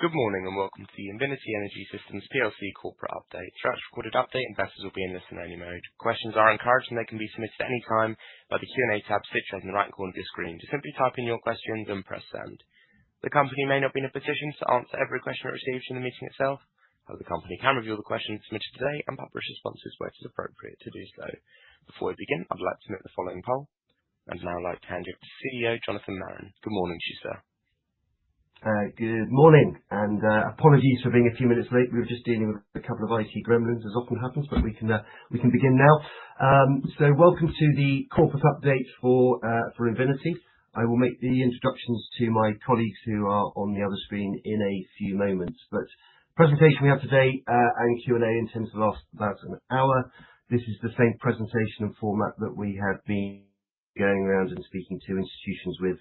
Good morning, and welcome to the Invinity Energy Systems PLC corporate update. Throughout this recorded update, investors will be in listen-only mode. Questions are encouraged, they can be submitted at any time by the Q&A tab situated in the right corner of your screen. Just simply type in your questions and press send. The company may not be in a position to answer every question it receives during the meeting itself, the company can review the questions submitted today and publish responses where it is appropriate to do so. Before we begin, I'd like to make the following poll. Now I'd like to hand you over to CEO, Jonathan Marren. Good morning to you, sir. Good morning, apologies for being a few minutes late. We were just dealing with a couple of IT gremlins, as often happens, we can begin now. Welcome to the corporate update for Invinity. I will make the introductions to my colleagues who are on the other screen in a few moments. The presentation we have today, and Q&A in terms of the last about an hour, this is the same presentation and format that we have been going around and speaking to institutions with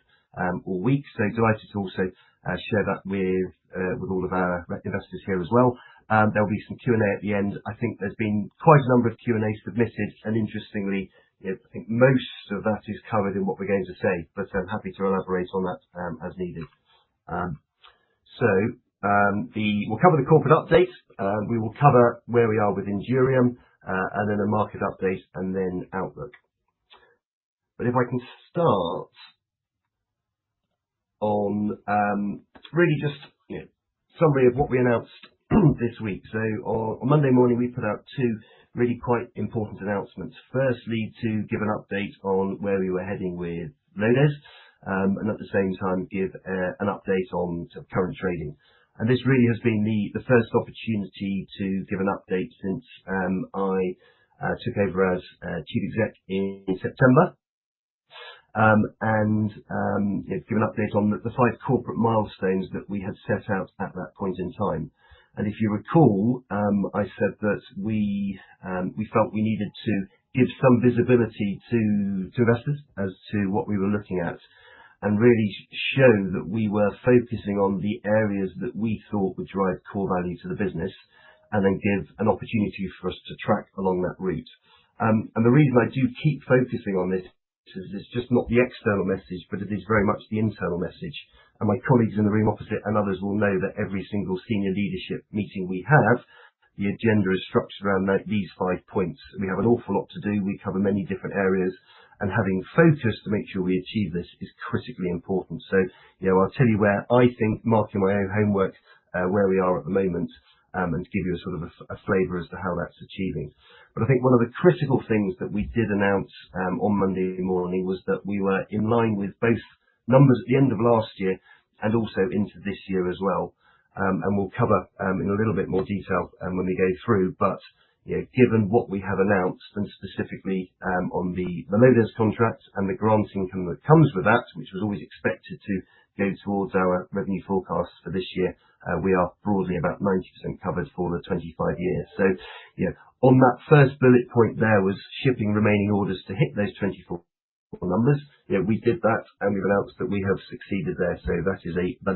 all week. Delighted to also share that with all of our investors here as well. There'll be some Q&A at the end. I think there's been quite a number of Q&As submitted, interestingly, I think most of that is covered in what we're going to say, happy to elaborate on that as needed. We'll cover the corporate update. We will cover where we are with ENDURIUM, then a market update, then outlook. If I can start on really just a summary of what we announced this week. On Monday morning, we put out two really quite important announcements. Firstly, to give an update on where we were heading with LODES, at the same time give an update on sort of current trading. This really has been the first opportunity to give an update since I took over as Chief Exec in September, give an update on the five corporate milestones that we had set out at that point in time. If you recall, I said that we felt we needed to give some visibility to investors as to what we were looking at, really show that we were focusing on the areas that we thought would drive core value to the business, then give an opportunity for us to track along that route. The reason I do keep focusing on this is it's just not the external message, it is very much the internal message. My colleagues in the room opposite and others will know that every single senior leadership meeting we have, the agenda is structured around these five points. We have an awful lot to do. We cover many different areas, having focus to make sure we achieve this is critically important. I'll tell you where I think, marking my own homework, where we are at the moment, and to give you a sort of a flavor as to how that's achieving. I think one of the critical things that we did announce on Monday morning was that we were in line with both numbers at the end of last year and also into this year as well. We'll cover in a little bit more detail when we go through. Given what we have announced, and specifically on the LODES contract and the grant income that comes with that, which was always expected to go towards our revenue forecast for this year, we are broadly about 90% covered for the 25 years. On that first bullet point there was shipping remaining orders to hit those 2024 numbers. We did that, we've announced that we have succeeded there, that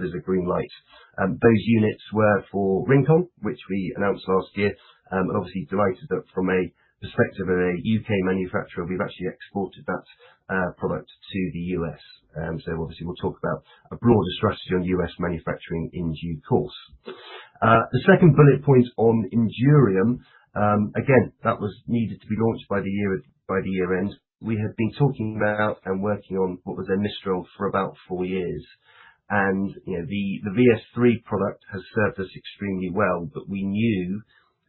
is a green light. Those units were for Rincon, which we announced last year, obviously delighted that from a perspective of a U.K. manufacturer, we've actually exported that product to the U.S. Obviously, we'll talk about a broader strategy on U.S. manufacturing in due course. The second bullet point on ENDURIUM, again, that was needed to be launched by the year-end. We had been talking about and working on what was then Mistral for about four years. The VS3 product has served us extremely well, but we knew that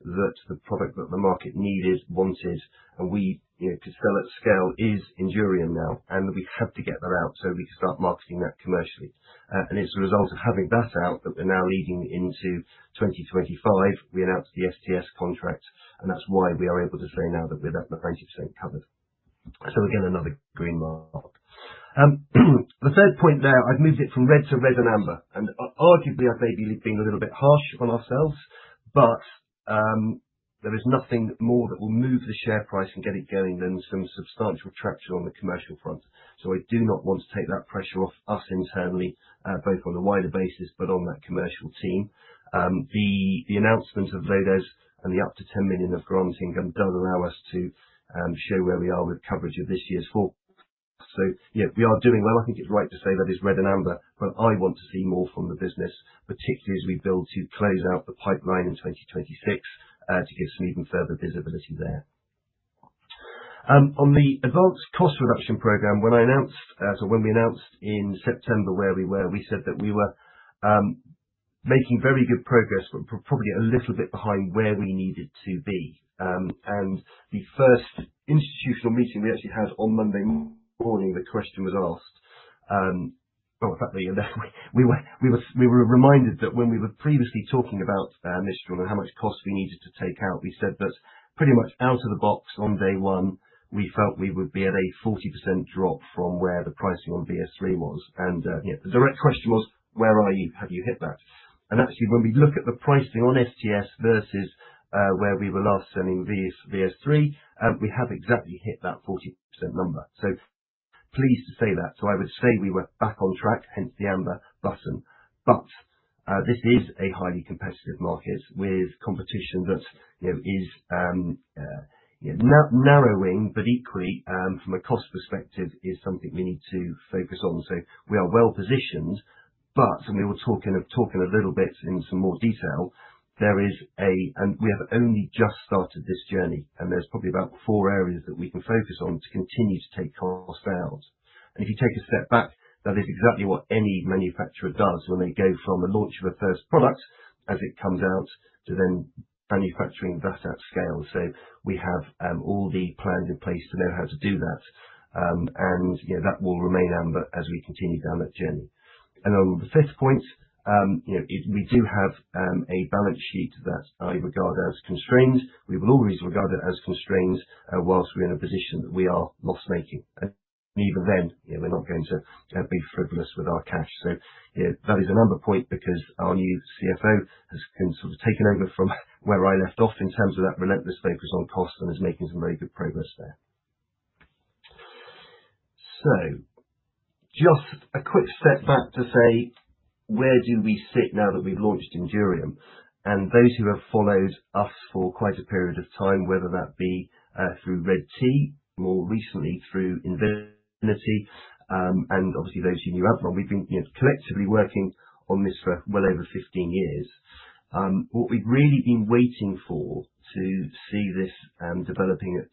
the product that the market needed, wanted, and we to sell at scale, is ENDURIUM now, and we had to get that out so we can start marketing that commercially. It's a result of having that out that we're now leading into 2025. We announced the STS contract, that's why we are able to say now that we're at 90% covered. Again, another green mark. The third point there, I've moved it from red to red amber. Arguably, I may be being a little bit harsh on ourselves, there is nothing more that will move the share price and get it going than some substantial traction on the commercial front. I do not want to take that pressure off us internally, both on a wider basis, on that commercial team. The announcement of LODES and the up to 10 million of grant income does allow us to show where we are with coverage of this year's fourth. Yeah, we are doing well. I think it's right to say that it's red amber, I want to see more from the business, particularly as we build to close out the pipeline in 2026 to give some even further visibility there. On the advanced cost reduction program, when we announced in September where we were, we said that we were making very good progress, probably a little bit behind where we needed to be. In fact, we were reminded that when we were previously talking about Mistral and how much cost we needed to take out, we said that pretty much out of the box on day one, we felt we would be at a 40% drop from where the pricing on VS3 was. The direct question was, where are you? Have you hit that? Actually, when we look at the pricing on STS versus where we were last selling VS3, we have exactly hit that 40% number. Pleased to say that. I would say we were back on track, hence the amber button. This is a highly competitive market with competition that is narrowing, but equally from a cost perspective is something we need to focus on. We are well positioned. We were talking a little bit in some more detail, we have only just started this journey, and there's probably about four areas that we can focus on to continue to take costs out. If you take a step back, that is exactly what any manufacturer does when they go from the launch of a first product as it comes out to then manufacturing that at scale. We have all the plans in place to know how to do that. That will remain as we continue down that journey. On the fifth point, we do have a balance sheet that I regard as constrained. We will always regard it as constrained whilst we're in a position that we are loss-making. Even then, we're not going to be frivolous with our cash. That is another point because our new CFO has taken over from where I left off in terms of that relentless focus on cost and is making some very good progress there. Just a quick step back to say, where do we sit now that we've launched ENDURIUM? Those who have followed us for quite a period of time, whether that be through redT, more recently through Invinity, and obviously those who knew Avalon, we've been collectively working on this for well over 15 years. What we've really been waiting for to see this developing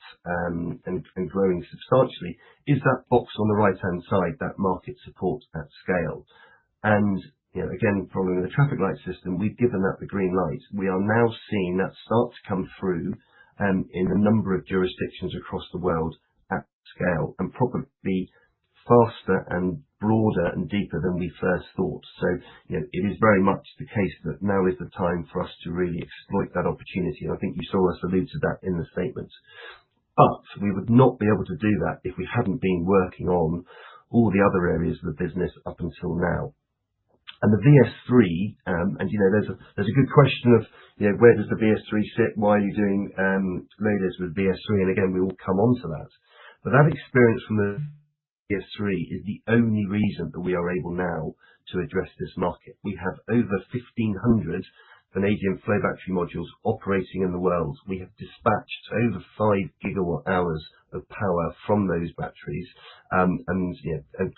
and growing substantially is that box on the right-hand side, that market support at scale. Again, following the traffic light system, we've given that the green light. We are now seeing that start to come through in a number of jurisdictions across the world at scale and probably faster and broader and deeper than we first thought. It is very much the case that now is the time for us to really exploit that opportunity, and I think you saw us allude to that in the statement. We would not be able to do that if we hadn't been working on all the other areas of the business up until now. The VS3, and there's a good question of, where does the VS3 sit? Why are you doing roadshows with VS3? Again, we will come onto that. That experience from the VS3 is the only reason that we are able now to address this market. We have over 1,500 vanadium flow battery modules operating in the world. We have dispatched over five gigawatt hours of power from those batteries, and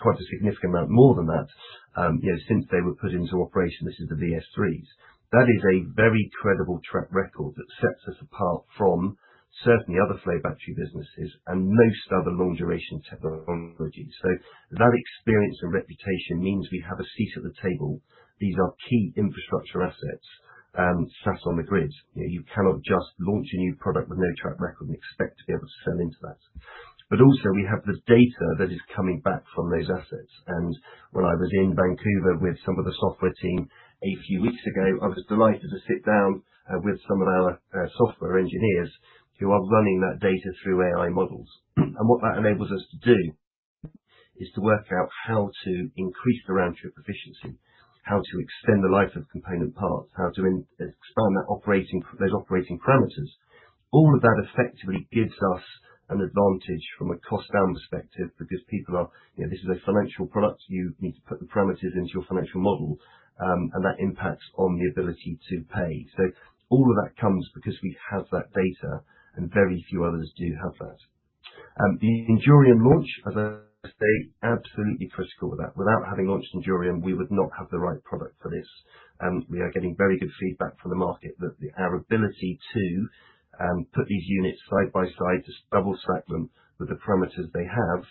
quite a significant amount more than that since they were put into operation. This is the VS3's. That is a very credible track record that sets us apart from certainly other flow battery businesses and most other long-duration technologies. That experience and reputation means we have a seat at the table. These are key infrastructure assets sat on the grid. You cannot just launch a new product with no track record and expect to be able to sell into that. Also, we have the data that is coming back from those assets. When I was in Vancouver with some of the software team a few weeks ago, I was delighted to sit down with some of our software engineers who are running that data through AI models. What that enables us to do is to work out how to increase the round trip efficiency, how to extend the life of component parts, how to expand those operating parameters. All of that effectively gives us an advantage from a cost-down perspective because this is a financial product. You need to put the parameters into your financial model, and that impacts on the ability to pay. All of that comes because we have that data, and very few others do have that. The ENDURIUM launch, as I say, absolutely critical of that. Without having launched ENDURIUM, we would not have the right product for this. We are getting very good feedback from the market that our ability to put these units side by side, to double stack them with the parameters they have,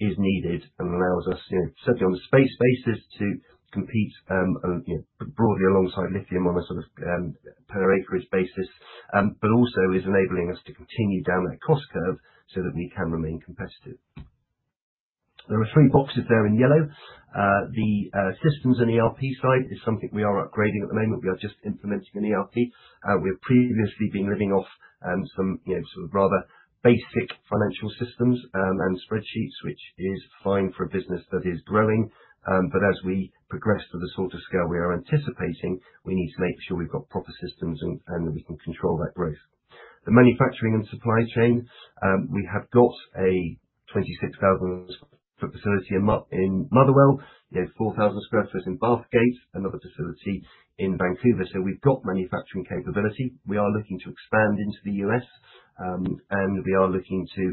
is needed and allows us, certainly on a space basis, to compete broadly alongside lithium on a per acreage basis. Also is enabling us to continue down that cost curve so that we can remain competitive. There are three boxes there in yellow. The systems and ERP side is something we are upgrading at the moment. We are just implementing an ERP. We have previously been living off some rather basic financial systems and spreadsheets, which is fine for a business that is growing. As we progress to the sort of scale we are anticipating, we need to make sure we've got proper systems and that we can control that growth. The manufacturing and supply chain, we have got a 26,000 foot facility in Motherwell, 4,000 sq ft in Bathgate, another facility in Vancouver. So we've got manufacturing capability. We are looking to expand into the U.S., and we are looking to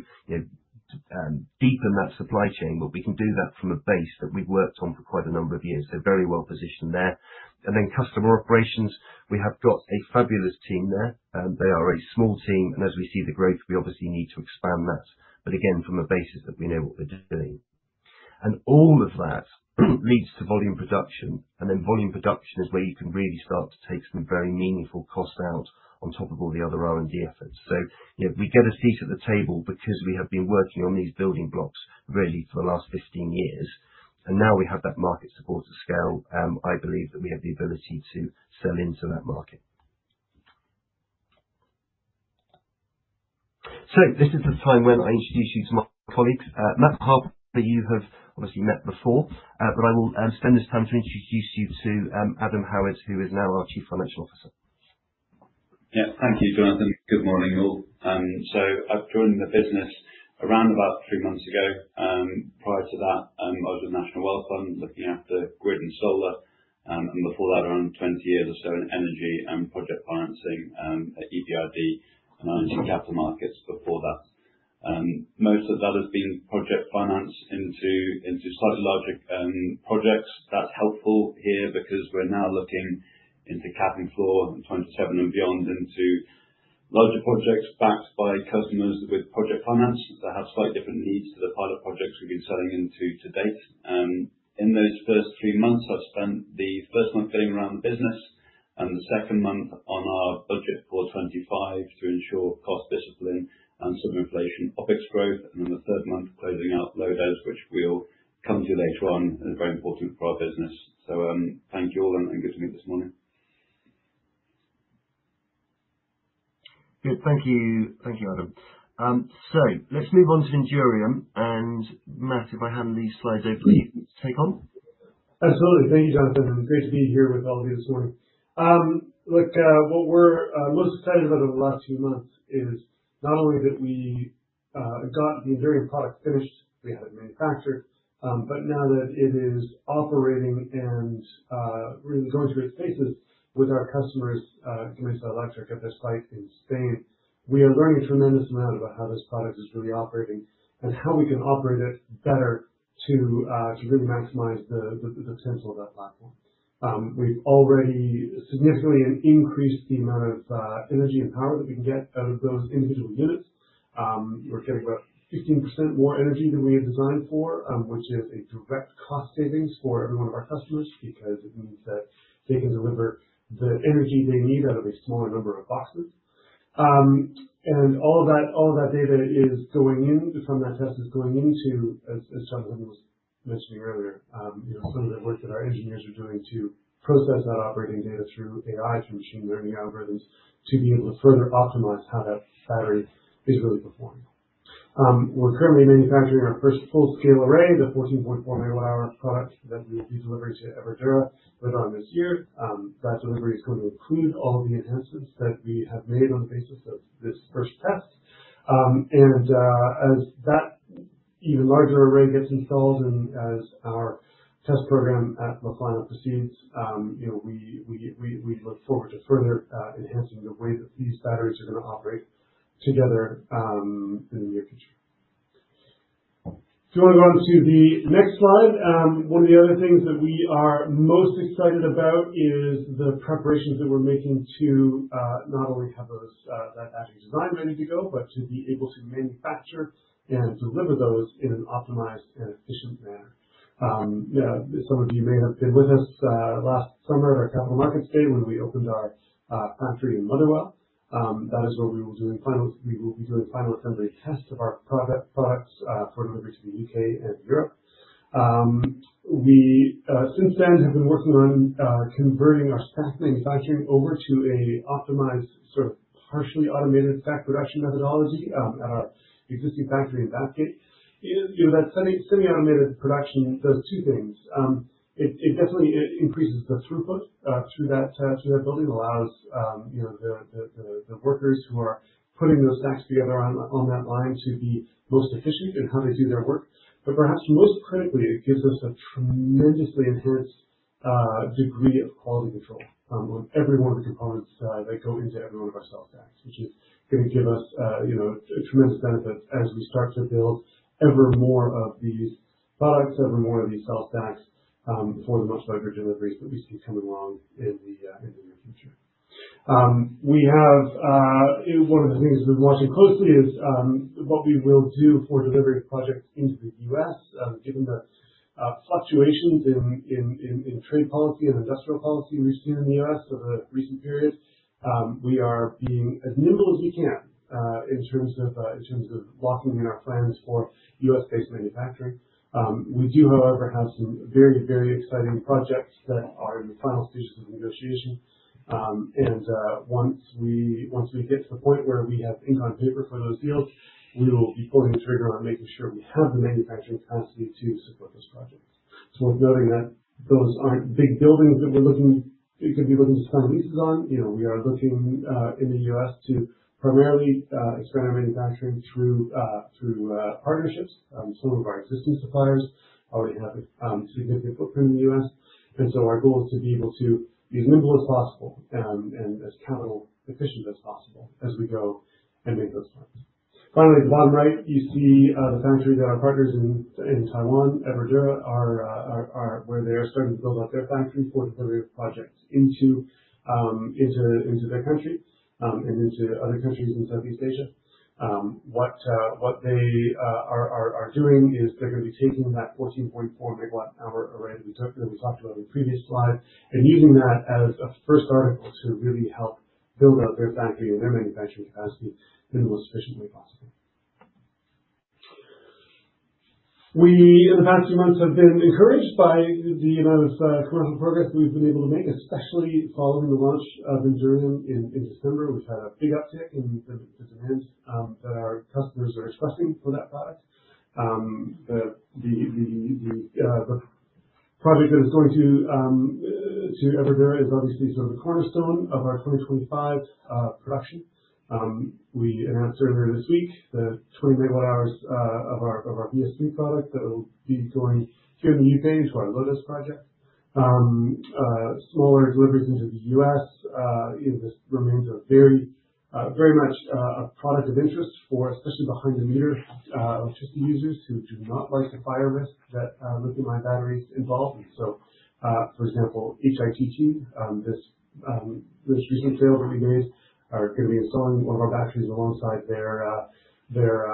deepen that supply chain, but we can do that from a base that we've worked on for quite a number of years. Very well positioned there. Then customer operations, we have got a fabulous team there. They are a small team, and as we see the growth, we obviously need to expand that. Again, from a basis that we know what they're doing. All of that leads to volume production, then volume production is where you can really start to take some very meaningful costs out on top of all the other R&D efforts. So, we get a seat at the table because we have been working on these building blocks really for the last 15 years, and now we have that market support to scale. I believe that we have the ability to sell into that market. This is the time when I introduce you to my colleagues. Matt Harper, you have obviously met before, but I will spend this time to introduce you to Adam Howard, who is now our Chief Financial Officer. Thank you, Jonathan. Good morning, all. I've joined the business around about three months ago. Prior to that, I was with National Wealth Fund, looking after grid and solar, and before that, around 20 years or so in energy and project financing at EBRD, and I was in capital markets before that. Most of that has been project finance into slightly larger projects. That's helpful here because we're now looking into Cap and Floor in 2027 and beyond into larger projects backed by customers with project finance that have slightly different needs to the pilot projects we've been selling into to date. In those first three months, I've spent the first month getting around the business and the second month on our budget for 2025 to ensure cost discipline and some inflation OpEx growth. The third month closing out LODES, which we'll come to later on, and very important for our business. Thank you all, and good to meet this morning. Good. Thank you, Adam. Let's move on to ENDURIUM. Matt, if I hand these slides over to you to take on. Absolutely. Thank you, Jonathan. Great to be here with all of you this morning. What we're most excited about over the last few months is not only that we got the ENDURIUM product finished, we had it manufactured, but now that it is operating and really going through its paces with our customers, with Peninsula Electric at their site in Spain. We are learning a tremendous amount about how this product is really operating and how we can operate it better to really maximize the potential of that platform. We've already significantly increased the amount of energy and power that we can get out of those individual units. We're getting about 15% more energy than we had designed for, which is a direct cost savings for every one of our customers because it means that they can deliver the energy they need out of a smaller number of boxes. All of that data is going in from that test is going into, as Jonathan was mentioning earlier, some of the work that our engineers are doing to process that operating data through AI, through machine learning algorithms, to be able to further optimize how that battery is really performing. We are currently manufacturing our first full-scale array, the 14.4 megawatt-hour product that we do delivery to Everdura later on this year. That delivery is going to include all of the enhancements that we have made on the basis of this first test. As that even larger array gets installed and as our test program at La Plana proceeds, we look forward to further enhancing the way that these batteries are going to operate together, in the near future. Do you want to go on to the next slide? One of the other things that we are most excited about is the preparations that we're making to not only have that battery design ready to go, but to be able to manufacture and deliver those in an optimized and efficient manner. Some of you may have been with us, last summer at our capital markets day when we opened our factory in Motherwell. That is where we will be doing final assembly tests of our products for delivery to the U.K. and Europe. We, since then, have been working on converting our stack manufacturing over to an optimized, partially automated stack production methodology at our existing factory in Bathgate. That semi-automated production does two things. It definitely increases the throughput through that building, allows the workers who are putting those stacks together on that line to be most efficient in how they do their work. Perhaps most critically, it gives us a tremendously enhanced degree of quality control on every one of the components that go into every one of our cell stacks, which is going to give us a tremendous benefit as we start to build ever more of these products, ever more of these cell stacks, for the much larger deliveries that we see coming along in the near future. One of the things we've been watching closely is what we will do for delivery of projects into the U.S., given the fluctuations in trade policy and industrial policy we've seen in the U.S. over the recent period. We are being as nimble as we can in terms of locking in our plans for U.S.-based manufacturing. We do, however, have some very exciting projects that are in the final stages of negotiation. Once we get to the point where we have ink on paper for those deals, we will be pulling the trigger on making sure we have the manufacturing capacity to support those projects. It's worth noting that those aren't big buildings that we're looking to sign leases on. We are looking, in the U.S., to primarily expand our manufacturing through partnerships. Some of our existing suppliers already have a significant footprint in the U.S. So our goal is to be able to be as nimble as possible and as capital efficient as possible as we go and make those plans. Finally, at the bottom right, you see the factory that our partners in Taiwan, Everdura, where they are starting to build out their factory for delivery of projects into their country, and into other countries in Southeast Asia. What they are doing is they're going to be taking that 14.4 megawatt hour array that we talked about in the previous slide and using that as a first article to really help build out their factory and their manufacturing capacity in the most efficient way possible. We, in the past few months, have been encouraged by the commercial progress we've been able to make, especially following the launch of ENDURIUM in December. We've had a big uptick in demand that our customers are expressing for that product. The project that is going to Everdura is obviously the cornerstone of our 2025 production. We announced earlier this week the 20 megawatt hours of our VS3 product that will be going here in the U.K. into our LODES project. Smaller deliveries into the U.S. This remains very much a product of interest for, especially behind the meter electricity users who do not like the fire risk that lithium-ion batteries involve. For example, HITT, this recent sale that we made are going to be installing one of our batteries alongside their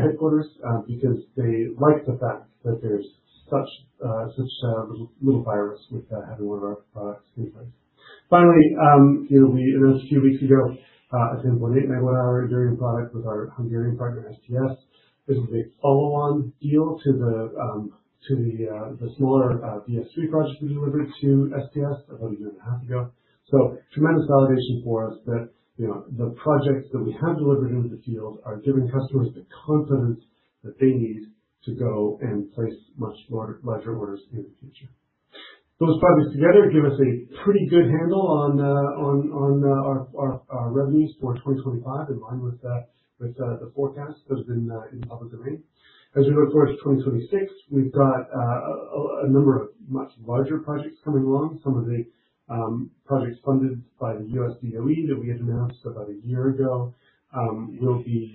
headquarters, because they like the fact that there's such little fire risk with having one of our products in place. Finally, just a few weeks ago, a 10.8 megawatt hour ENDURIUM product with our Hungarian partner, STS. This is a follow-on deal to the smaller VS3 project we delivered to STS about a year and a half ago. Tremendous validation for us that the projects that we have delivered into the field are giving customers the confidence that they need to go and place much larger orders in the future. Those projects together give us a pretty good handle on our revenues for 2025, in line with the forecast that has been published already. We look forward to 2026, we've got a number of much larger projects coming along. Some of the projects funded by the U.S. DOE that we had announced about a year ago, we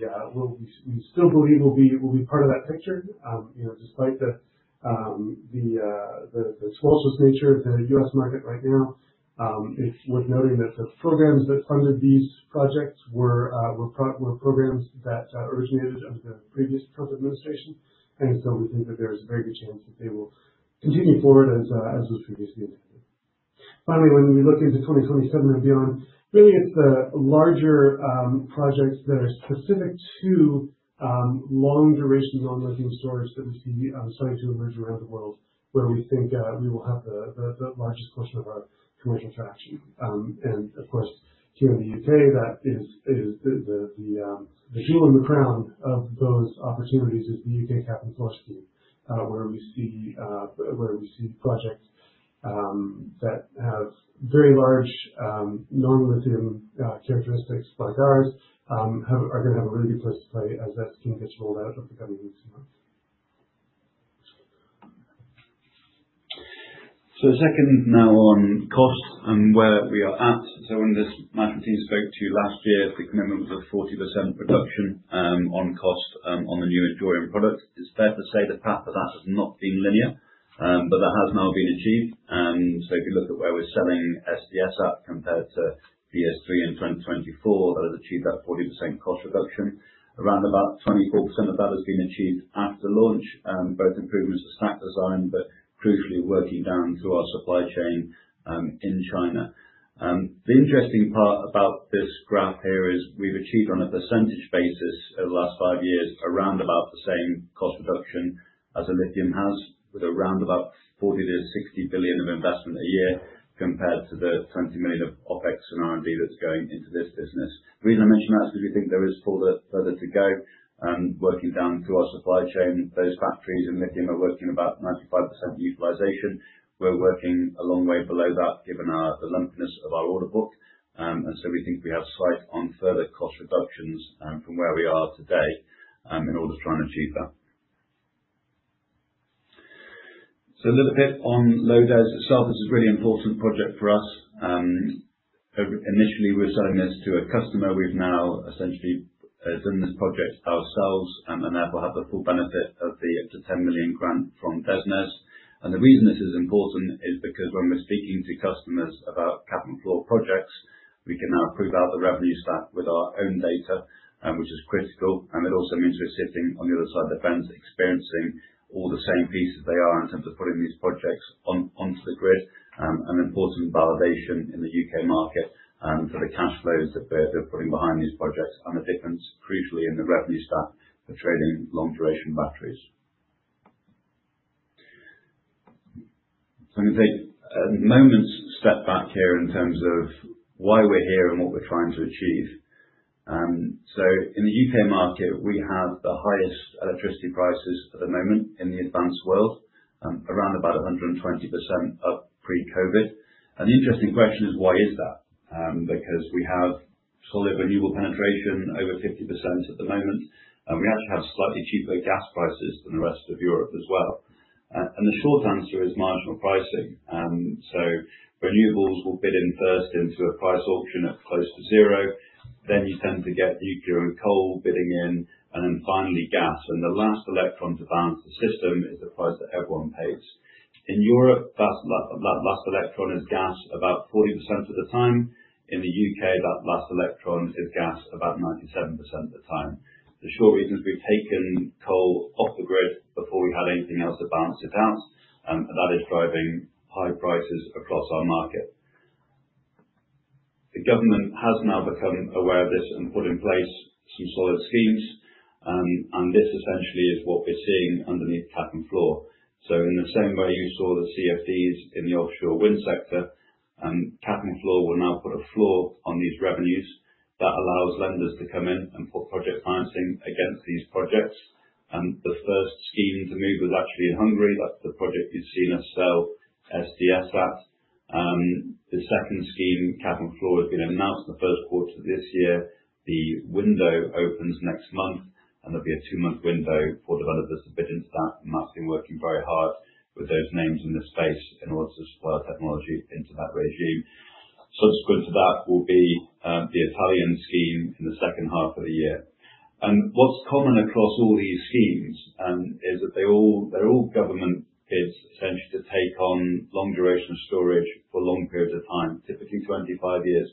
still believe will be part of that picture. Despite the fractious nature of the U.S. market right now, it's worth noting that the programs that funded these projects were programs that originated under the previous Trump administration, we think that there is a very good chance that they will continue forward as was previously indicated. Finally, when we look into 2027 and beyond, really it's the larger projects that are specific to long duration non-lithium storage that we see starting to emerge around the world, where we think we will have the largest portion of our commercial traction. Here in the U.K., the jewel in the crown of those opportunities is the U.K. Cap and Floor scheme, where we see projects that have very large non-lithium characteristics like ours, are going to have a really big place to play as that scheme gets rolled out over the coming weeks and months. The second now on cost and where we are at. When this management team spoke to you last year, the commitment was a 40% reduction on cost on the new ENDURIUM product. It's fair to say the path for that has not been linear, but that has now been achieved. If you look at where we're selling STS at compared to VS3 in 2024, that has achieved that 40% cost reduction. Around about 24% of that has been achieved after launch, both improvements to stack design, but crucially working down through our supply chain in China. The interesting part about this graph here is we've achieved on a percentage basis over the last 5 years around about the same cost reduction as a lithium has, with around about $40 billion-$60 billion of investment a year compared to the $20 million of OPEX and R&D that's going into this business. The reason I mention that is because we think there is further to go and working down through our supply chain. Those factories in lithium are working about 95% utilization. We're working a long way below that given the lumpiness of our order book. We think we have sight on further cost reductions from where we are today, in order to try and achieve that. A little bit on LODES itself. This is a really important project for us, and initially we were selling this to a customer. We've now essentially done this project ourselves and therefore have the full benefit of the up to 10 million grant from DESNZ. The reason this is important is because when we're speaking to customers about Cap and Floor projects, we can now prove out the revenue stack with our own data, which is critical. It also means we're sitting on the other side of the fence experiencing all the same pieces they are in terms of putting these projects onto the grid, an important validation in the U.K. market for the cash flows that they're putting behind these projects and the difference, crucially, in the revenue stack for trading long duration batteries. I'm going to take a moment's step back here in terms of why we're here and what we're trying to achieve. In the U.K. market, we have the highest electricity prices at the moment in the advanced world, around about 120% up pre-COVID. The interesting question is why is that? Because we have solid renewable penetration over 50% at the moment, and we actually have slightly cheaper gas prices than the rest of Europe as well. The short answer is marginal pricing. Renewables will bid in first into a price auction at close to zero, then you tend to get nuclear and coal bidding in, then finally gas. The last electron to balance the system is the price that everyone pays. In Europe, that last electron is gas about 40% of the time. In the U.K., that last electron is gas about 97% of the time. The short reason is we've taken coal off the grid before we had anything else to balance it out, that is driving high prices across our market. The government has now become aware of this and put in place some solid schemes, this essentially is what we're seeing underneath Cap and Floor. In the same way you saw the Contracts for Difference in the offshore wind sector, Cap and Floor will now put a floor on these revenues that allows lenders to come in and put project financing against these projects. The first scheme to move was actually in Hungary. That's the project you've seen us sell, STS at. The second scheme, Cap and Floor, has been announced the first quarter of this year. The window opens next month. There'll be a two-month window for developers to bid into that, and that's been working very hard with those names in the space in order to supply technology into that regime. Subsequent to that will be the Italian scheme in the second half of the year. What's common across all these schemes is that they're all government bids essentially to take on long duration storage for long periods of time, typically 25 years+,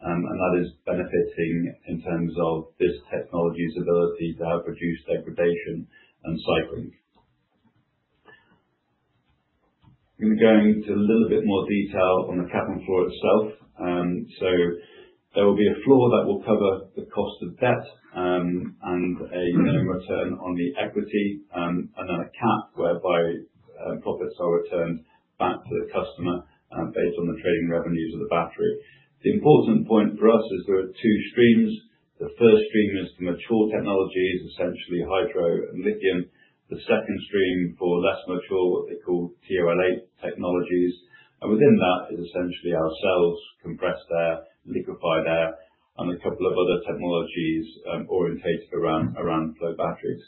and that is benefiting in terms of this technology's ability to have reduced degradation and cycling. I'm going to go into a little bit more detail on the Cap and Floor itself. There will be a floor that will cover the cost of debt, and a minimum return on the equity, and then a cap whereby profits are returned back to the customer, based on the trading revenues of the battery. The important point for us is there are two streams. The first stream is the mature technologies, essentially hydro and lithium. The second stream for less mature, what they call T08 technologies. Within that is essentially our cells, compressed air, liquefied air, and a couple of other technologies, orientated around flow batteries.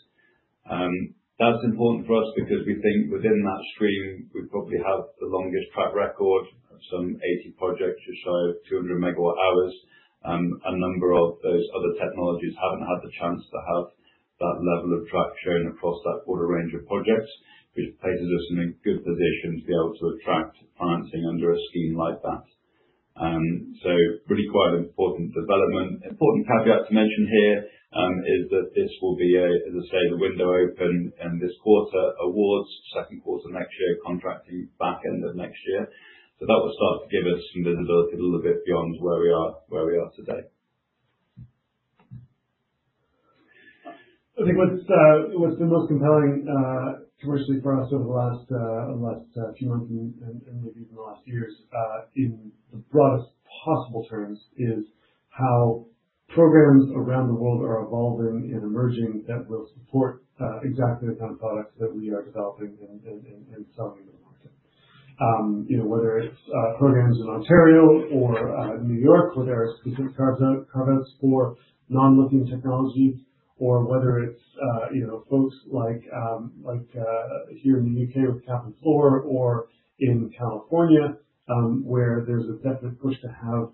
That's important for us because we think within that stream, we probably have the longest track record of some 80 projects or so, 200 megawatt-hours. A number of those other technologies haven't had the chance to have that level of traction across that broader range of projects, which places us in a good position to be able to attract financing under a scheme like that. Really quite an important development. Important caveat to mention here, is that this will be, as I say, the window open in this quarter, awards second quarter next year, contracting back end of next year. That will start to give us some visibility a little bit beyond where we are today. I think what's been most compelling, commercially for us over the last few months and maybe even the last years, in the broadest possible terms, is how programs around the world are evolving and emerging that will support exactly the kind of products that we are developing and selling in the market. Whether it's programs in Ontario or New York where there are specific carve-outs for non-lithium technology or whether it's folks like, here in the U.K. with Cap and Floor or in California, where there's a definite push to have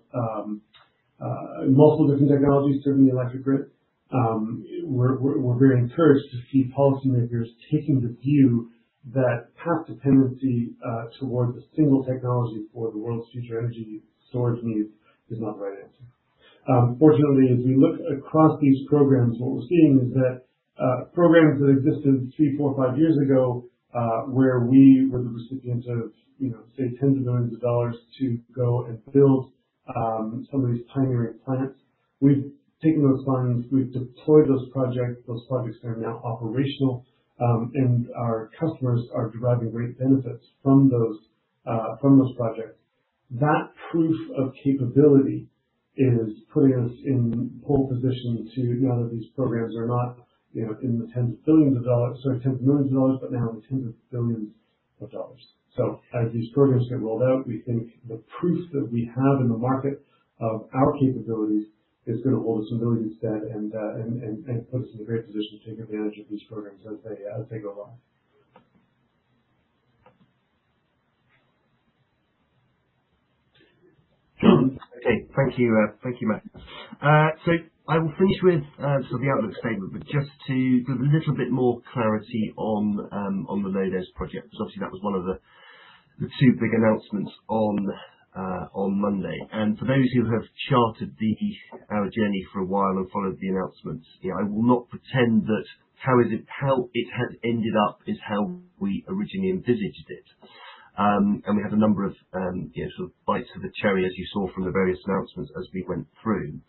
multiple different technologies serving the electric grid. We're very encouraged to see policymakers taking the view that past dependency towards a single technology for the world's future energy storage needs is not the right answer. Fortunately, as we look across these programs, what we're seeing is that, programs that existed three, four, five years ago, where we were the recipients of say, tens of millions of dollars to go and build some of these pioneering plants. We've taken those funds, we've deployed those projects. Those projects are now operational, and our customers are deriving great benefits from those projects. That proof of capability is putting us in pole position to, now that these programs are not in the tens of millions of dollars, but now in the tens of billions of dollars. As these programs get rolled out, we think the proof that we have in the market of our capabilities is going to hold us in very good stead and put us in a great position to take advantage of these programs as they go live. Thank you, Matt. I will finish with sort of the outlook statement, but just to give a little bit more clarity on the LODES project, because obviously that was one of the two big announcements on Monday. For those who have charted our journey for a while and followed the announcements, I will not pretend that how it has ended up is how we originally envisaged it. We had a number of sort of bites of the cherry, as you saw from the various announcements as we went through.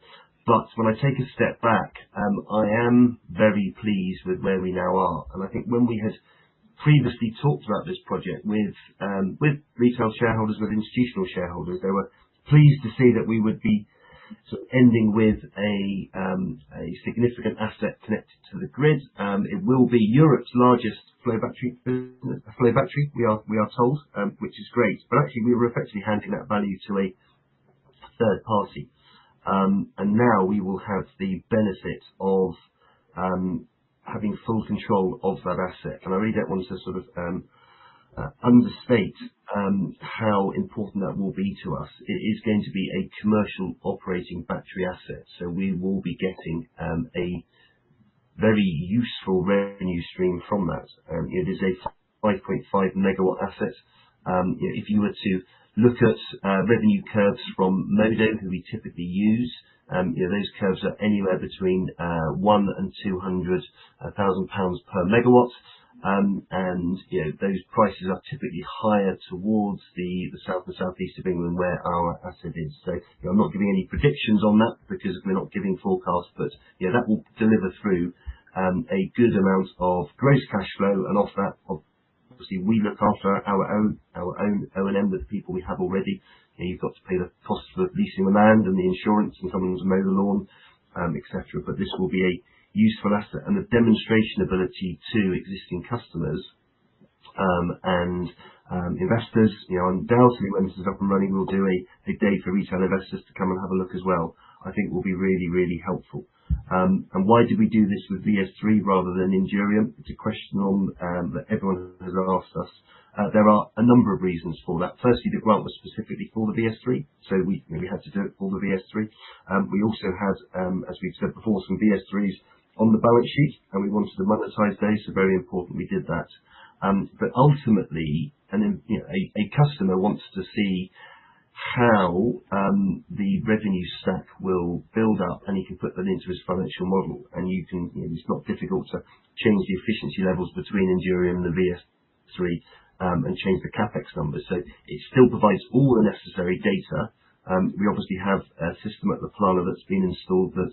When I take a step back, I am very pleased with where we now are. I think when we had previously talked about this project with retail shareholders, with institutional shareholders, they were pleased to see that we would be sort of ending with a significant asset connected to the grid. It will be Europe's largest flow battery, we are told, which is great. Actually we were effectively handing that value to a third party. Now we will have the benefit of having full control of that asset. I really don't want to sort of understate how important that will be to us. It is going to be a commercial operating battery asset, so we will be getting a very useful revenue stream from that. It is a 5.5 MW asset. If you were to look at revenue curves from Modo Energy, who we typically use, those curves are anywhere between 1 and 200,000 pounds per megawatt. Those prices are typically higher towards the south and southeast of England where our asset is. I'm not giving any predictions on that because we're not giving forecasts, but that will deliver through a good amount of gross cash flow. Off that, obviously, we look after our own O&M with the people we have already. You've got to pay the cost of leasing the land and the insurance and someone's mower lawn, et cetera. This will be a useful asset and a demonstration ability to existing customers and investors, undoubtedly when this is up and running, we'll do a big day for retail investors to come and have a look as well, I think will be really, really helpful. Why did we do this with VS3 rather than ENDURIUM? It's a question that everyone has asked us. There are a number of reasons for that. Firstly, the grant was specifically for the VS3, so we had to do it for the VS3. We also had, as we've said before, some VS3s on the balance sheet, and we wanted to monetize those, so very important we did that. Ultimately, a customer wants to see how the revenue stack will build up, and he can put that into his financial model. It's not difficult to change the efficiency levels between ENDURIUM and the VS3, and change the CapEx numbers. It still provides all the necessary data. We obviously have a system at La Plana that's been installed, that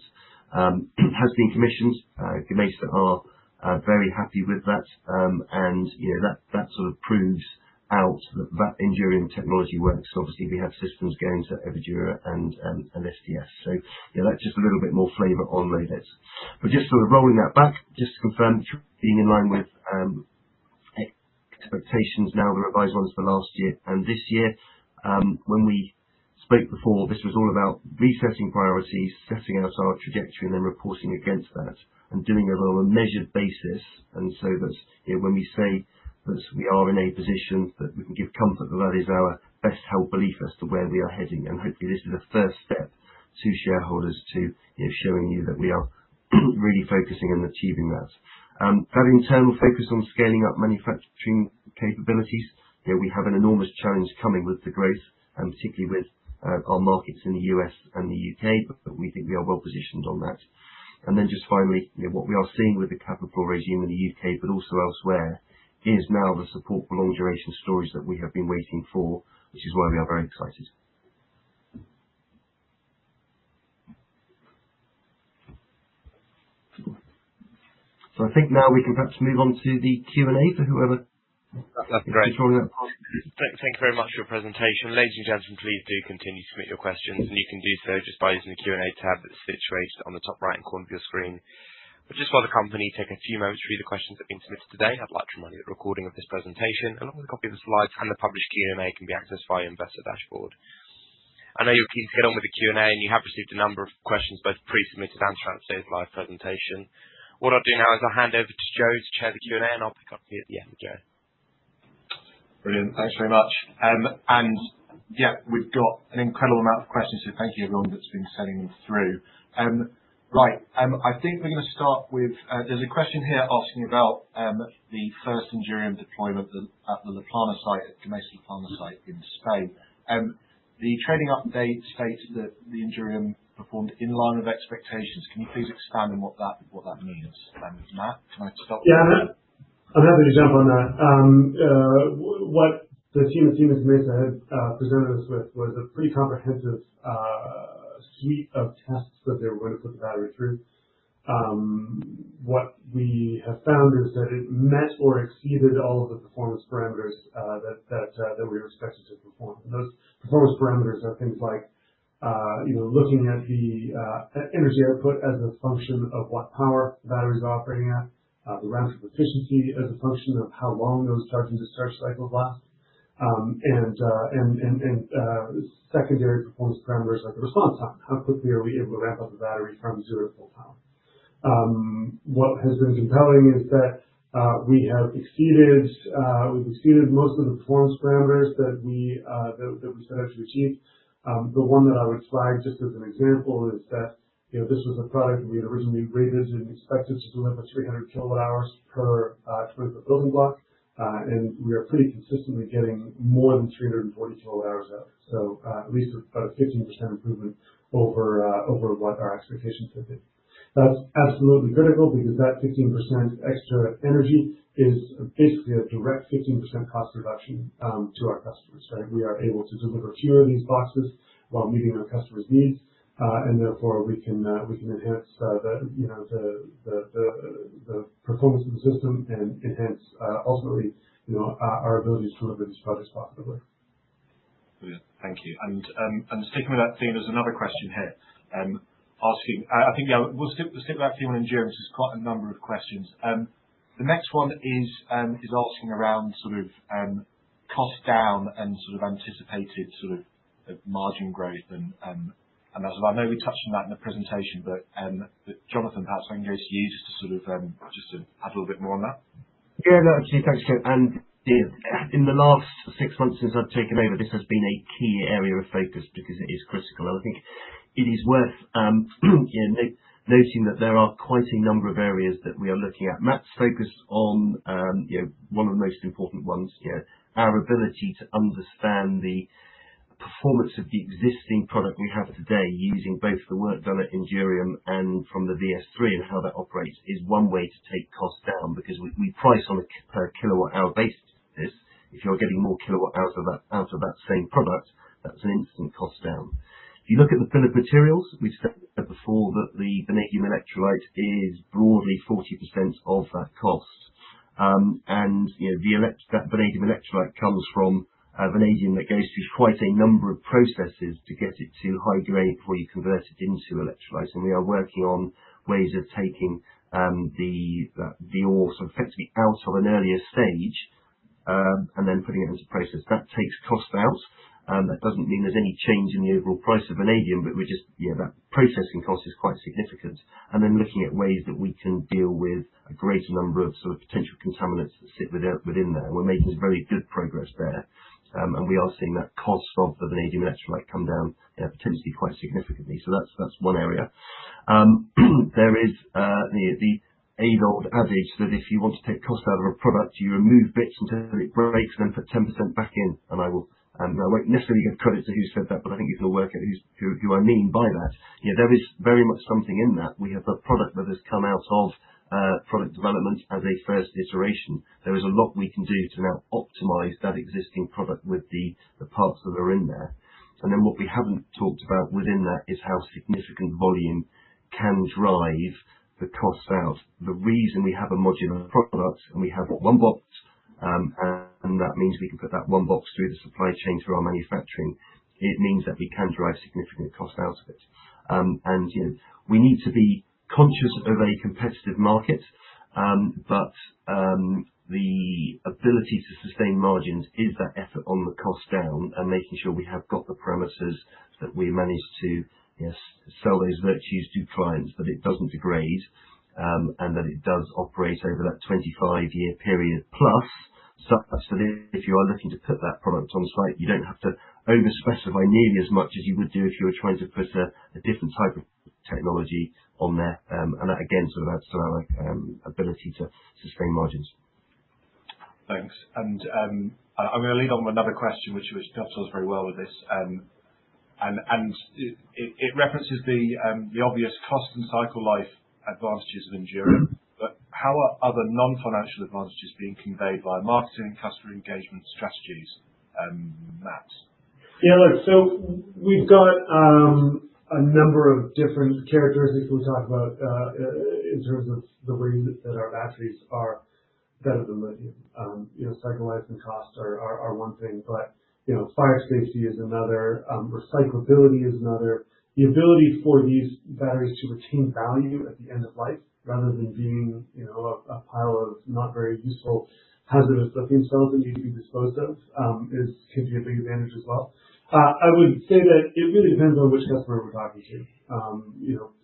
has been commissioned. If you are very happy with that sort of proves out that ENDURIUM technology works. Obviously, we have systems going to Everdura and STS Group. That's just a little bit more flavor on that. Just sort of rolling that back, just to confirm being in line with expectations now the revised ones for last year and this year. When we spoke before, this was all about resetting priorities, setting out our trajectory, and then reporting against that, and doing it on a measured basis. That when we say that we are in a position that we can give comfort, that is our best held belief as to where we are heading. Hopefully, this is a first step to shareholders to showing you that we are really focusing on achieving that. Having turned the focus on scaling up manufacturing capabilities, we have an enormous challenge coming with the growth, and particularly with our markets in the U.S. and the U.K., but we think we are well positioned on that. Just finally, what we are seeing with the capital regime in the U.K., but also elsewhere, is now the support for long duration storage that we have been waiting for, which is why we are very excited. I think now we can perhaps move on to the Q&A for whoever- That's great. -is controlling that. Thank you very much for your presentation. Ladies and gentlemen, please do continue to submit your questions, and you can do so just by using the Q&A tab that's situated on the top right-hand corner of your screen. Just while the company take a few moments to read the questions that have been submitted today, I'd like to remind you that a recording of this presentation, along with a copy of the slides and the published Q&A, can be accessed via investor dashboard. I know you're keen to get on with the Q&A, and you have received a number of questions, both pre-submitted and throughout today's live presentation. What I'll do now is I'll hand over to Joe to chair the Q&A, and I'll pick up with you at the end, Joe. Brilliant. Thanks very much. Yeah, we've got an incredible amount of questions, so thank you everyone that's been sending them through. Right. I think we're going to start with, there's a question here asking about the first ENDURIUM deployment at the La Plana site, at Gamesa La Plana site in Spain. The trading update states that the ENDURIUM performed in line of expectations. Can you please expand on what that means? Matt, do you want to start with that? I am happy to jump on that. What the team at Gamesa had presented us with was a pretty comprehensive suite of tests that they were going to put the battery through. What we have found is that it met or exceeded all of the performance parameters that we expected to perform. Those performance parameters are things like looking at the energy output as a function of what power the battery is operating at, the round-trip efficiency as a function of how long those charge and discharge cycles last. Secondary performance parameters like the response time, how quickly are we able to ramp up the battery from zero to full power. What has been compelling is that we have exceeded most of the performance parameters that we set out to achieve. The one that I would describe just as an example is that, this was a product we had originally rated and expected to deliver 300 kWh per building block, and we are pretty consistently getting more than 340 kWh out. At least about a 15% improvement over what our expectations have been. That's absolutely critical because that 15% extra energy is basically a direct 15% cost reduction to our customers. We are able to deliver fewer of these boxes while meeting our customers' needs, therefore we can enhance the performance of the system and enhance, ultimately, our ability to deliver these products profitably. Brilliant. Thank you. Sticking with that theme, there's another question here asking. We will stick with that theme on ENDURIUM, since quite a number of questions. The next one is asking around cost down and anticipated margin growth. I know we touched on that in the presentation, Jonathan, perhaps I can go to you just to add a little bit more on that. Absolutely. Thanks, Joe. In the last 6 months since I've taken over, this has been a key area of focus because it is critical. I think it is worth noting that there are quite a number of areas that we are looking at. Matt's focused on one of the most important ones. Our ability to understand the performance of the existing product we have today, using both the work done at ENDURIUM and from the VS3 and how that operates is one way to take costs down, because we price on a per kilowatt-hour basis. If you're getting more kilowatt-hour out of that same product, that's an instant cost down. If you look at the bill of materials, we've said before that the vanadium electrolyte is broadly 40% of that cost. That vanadium electrolyte comes from a vanadium that goes through quite a number of processes to get it to hydrate before you convert it into electrolyte. We are working on ways of taking the ore effectively out of an earlier stage. Then putting it into process. That takes cost out. That doesn't mean there's any change in the overall price of vanadium, but that processing cost is quite significant. Then looking at ways that we can deal with a greater number of potential contaminants that sit within there. We're making very good progress there. We are seeing that cost of vanadium electrolyte come down potentially quite significantly. That's one area. There is the age-old adage that if you want to take cost out of a product, you remove bits until it breaks, then put 10% back in. I won't necessarily give credit to who said that, but I think you can work out who I mean by that. There is very much something in that. We have a product that has come out of product development as a first iteration. There is a lot we can do to now optimize that existing product with the parts that are in there. Then what we haven't talked about within that is how significant volume can drive the costs out. The reason we have a modular product and we have one box, and that means we can put that one box through the supply chain through our manufacturing, it means that we can drive significant cost out of it. We need to be conscious of a competitive market. The ability to sustain margins is that effort on the cost down and making sure we have got the premises that we manage to sell those virtues to clients, that it doesn't degrade, and that it does operate over that 25-year period plus. That if you are looking to put that product on site, you don't have to over-specify nearly as much as you would do if you were trying to put a different type of technology on there. That, again, adds to our ability to sustain margins. Thanks. I'm going to lead on with another question, which pairs very well with this. It references the obvious cost and cycle life advantages of ENDURIUM, but how are other non-financial advantages being conveyed by marketing, customer engagement strategies, Matt? We have a number of different characteristics we talk about in terms of the reasons that our batteries are better than lithium. Cycle life and cost are one thing. Fire safety is another. Recyclability is another. The ability for these batteries to retain value at the end of life rather than being a pile of not very useful, hazardous looking cells that need to be disposed of can be a big advantage as well. I would say that it really depends on which customer we're talking to.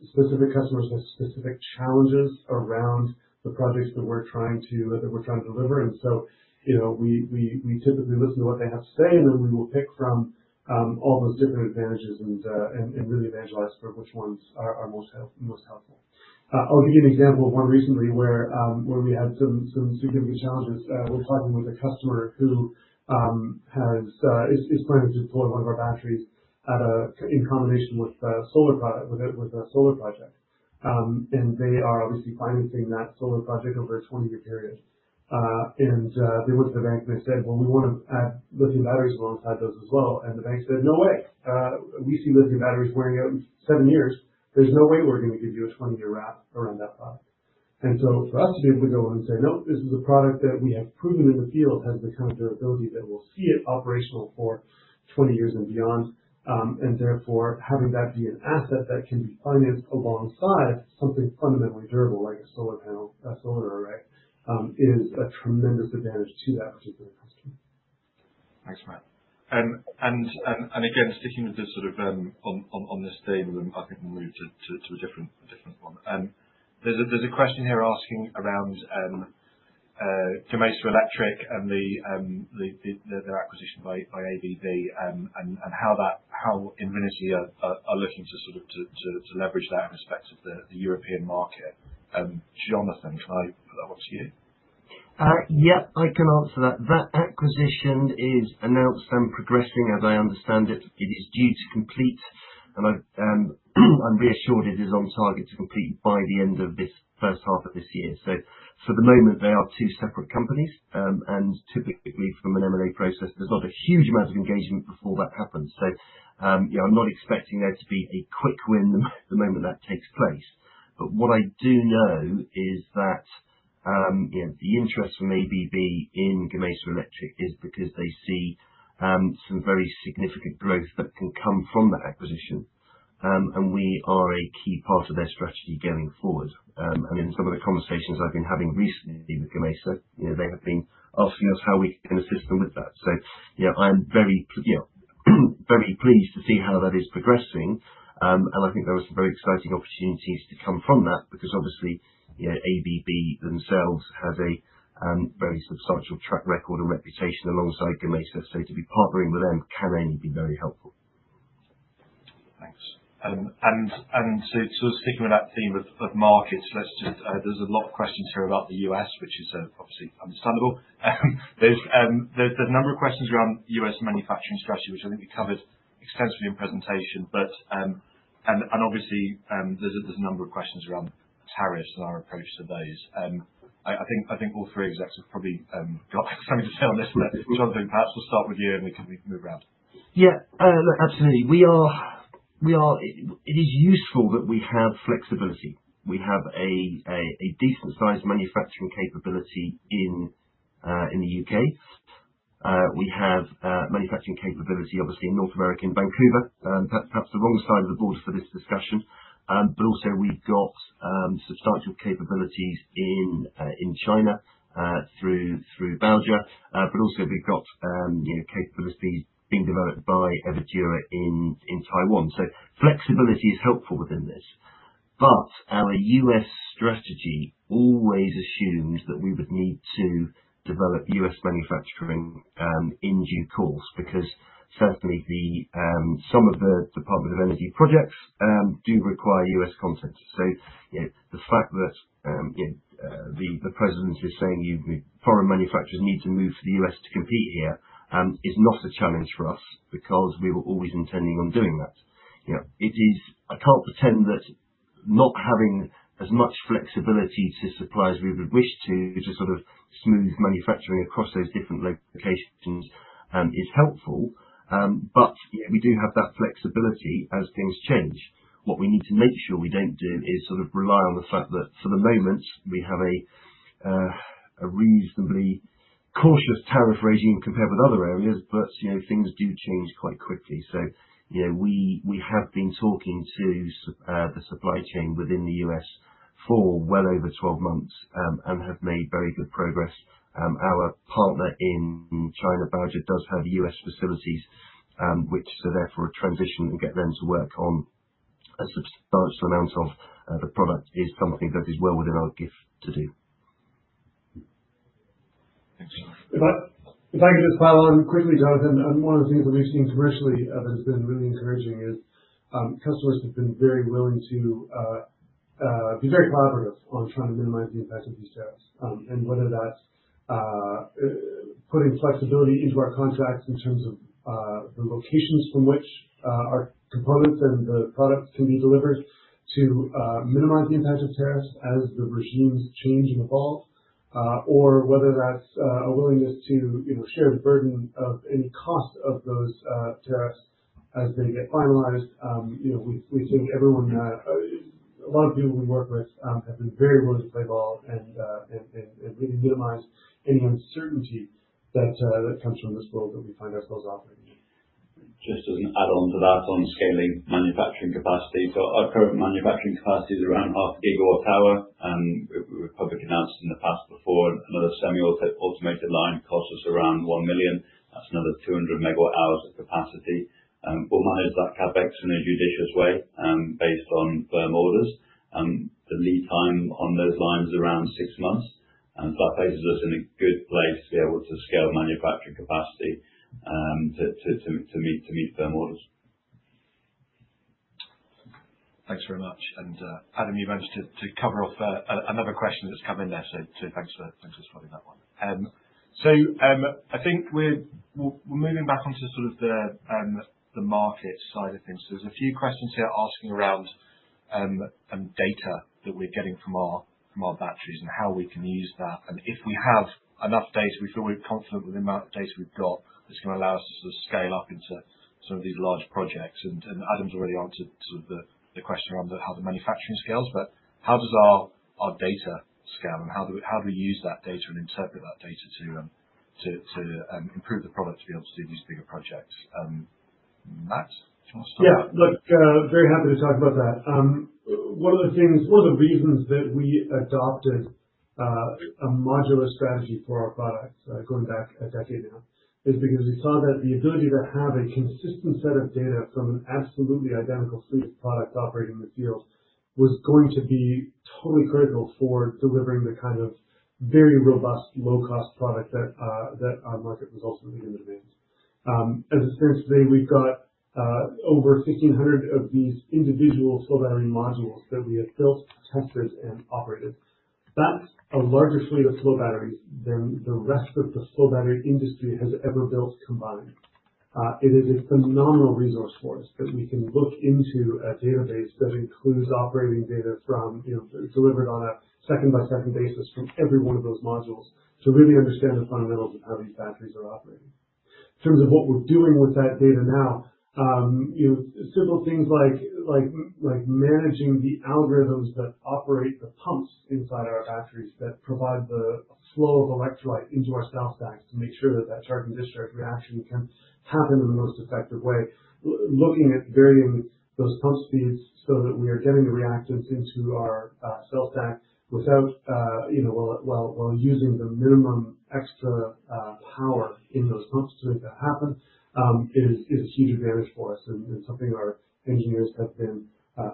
Specific customers have specific challenges around the projects that we're trying to deliver. We typically listen to what they have to say. We will pick from all those different advantages and really evangelize for which ones are most helpful. I'll give you an example of one recently where we had some significant challenges. We're talking with a customer who is planning to deploy one of our batteries in combination with a solar project. They are obviously financing that solar project over a 20-year period. They went to the bank and they said, "Well, we want to add lithium batteries alongside those as well." The bank said, "No way. We see lithium batteries wearing out in seven years. There's no way we're going to give you a 20-year RAP around that product." For us to be able to go in and say, "No. This is a product that we have proven in the field has the kind of durability that will see it operational for 20 years and beyond." Therefore, having that be an asset that can be financed alongside something fundamentally durable, like a solar panel, a solar array, is a tremendous advantage to that particular customer. Thanks, Matt. Again, sticking with this on this theme. I think we'll move to a different one. There's a question here asking around Gamesa Electric and their acquisition by ABB. How Invinity are looking to leverage that in respect of the European market. Jonathan, can I put that one to you? Yes. I can answer that. That acquisition is announced and progressing, as I understand it. It is due to complete. I'm reassured it is on target to complete by the end of this first half of this year. For the moment, they are two separate companies. Typically from an M&A process, there's not a huge amount of engagement before that happens. I'm not expecting there to be a quick win the moment that takes place. What I do know is that the interest from ABB in Gamesa Electric is because they see some very significant growth that can come from that acquisition. We are a key part of their strategy going forward. In some of the conversations I've been having recently with Gamesa, they have been asking us how we can assist them with that. I am very pleased to see how that is progressing, and I think there are some very exciting opportunities to come from that, because obviously, ABB themselves have a very substantial track record and reputation alongside Gamesa. To be partnering with them can only be very helpful. Thanks. Sticking with that theme of markets, there's a lot of questions here about the U.S., which is obviously understandable. There's a number of questions around U.S. manufacturing strategy, which I think you covered extensively in the presentation. Obviously, there's a number of questions around tariffs and our approach to those. I think all three execs have probably got something to say on this. Jonathan, perhaps we'll start with you, and we can move around. Yeah. Look, absolutely. It is useful that we have flexibility. We have a decent-sized manufacturing capability in the U.K. We have manufacturing capability, obviously in North America, in Vancouver. Perhaps the wrong side of the border for this discussion. Also, we've got substantial capabilities in China, through Belger. Also, we've got capabilities being developed by Everdura in Taiwan. Flexibility is helpful within this. Our U.S. strategy always assumes that we would need to develop U.S. manufacturing, in due course, because certainly some of the public energy projects do require U.S. content. The fact that the president is saying foreign manufacturers need to move to the U.S. to compete here, is not a challenge for us because we were always intending on doing that. I can't pretend that not having as much flexibility to supply as we would wish to sort of smooth manufacturing across those different locations, is helpful. We do have that flexibility as things change. What we need to make sure we don't do is rely on the fact that for the moment we have a reasonably cautious tariff regime compared with other areas, but things do change quite quickly. We have been talking to the supply chain within the U.S. for well over 12 months, and have made very good progress. Our partner in China, Belger, does have U.S. facilities, which therefore a transition and get them to work on a substantial amount of the product is something that is well within our gift to do. If I could just follow on quickly, Jonathan. One of the things that we've seen commercially that has been really encouraging is, customers have been very willing to be very collaborative on trying to minimize the impact of these tariffs. Whether that's putting flexibility into our contracts in terms of the locations from which our components and the products can be delivered to minimize the impact of tariffs as the regimes change and evolve. Whether that's a willingness to share the burden of any cost of those tariffs as they get finalized. A lot of people we work with, have been very willing to play ball and really minimize any uncertainty that comes from this world that we find ourselves operating in. Just as an add-on to that, on scaling manufacturing capacity. Our current manufacturing capacity is around half gigawatt hour, and we publicly announced in the past before another semi-automated line costs us around 1 million. That's another 200 megawatt hours of capacity. We manage that CapEx in a judicious way, based on firm orders. The lead time on those lines is around 6 months. That places us in a good place to be able to scale manufacturing capacity to meet firm orders. Thanks very much. Adam, you managed to cover off another question that's come in there, so thanks for spotting that one. I think we're moving back onto the market side of things. There's a few questions here asking around data that we're getting from our batteries and how we can use that, and if we have enough data, we feel we're confident with the amount of data we've got that's going to allow us to scale up into some of these large projects. Adam's already answered the question around how the manufacturing scales, but how does our data scale and how do we use that data and interpret that data to improve the product to be able to do these bigger projects? Matt, do you want to start? Very happy to talk about that. One of the reasons that we adopted a modular strategy for our products, going back a decade now, is because we saw that the ability to have a consistent set of data from an absolutely identical suite of products operating in the field was going to be totally critical for delivering the kind of very robust, low-cost product that our market was ultimately going to demand. As it stands today, we've got over 1,500 of these individual flow battery modules that we have built, tested and operated. That's a larger suite of flow batteries than the rest of the flow battery industry has ever built combined. It is a phenomenal resource for us that we can look into a database that includes operating data. Delivered on a second-by-second basis from every one of those modules to really understand the fundamentals of how these batteries are operating. In terms of what we're doing with that data now, simple things like managing the algorithms that operate the pumps inside our batteries that provide the flow of electrolyte into our cell stacks to make sure that that charge and discharge reaction can happen in the most effective way. Looking at varying those pump speeds so that we are getting the reactants into our cell stack while using the minimum extra power in those pumps to make that happen, is a huge advantage for us and something our engineers have been